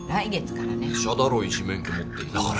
医者だろ医師免許持ってんだから